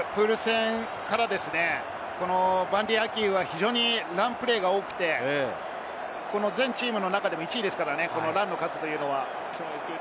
ワールドカップ、プール戦からバンディー・アキは非常にランプレーが多くて、全チームの中でも１位ですからね、ランの数が。